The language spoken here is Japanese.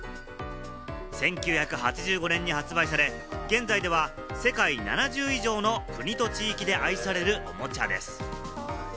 １９８５年に発売され、現在では世界７０以上の国と地域で愛されるおもちゃです。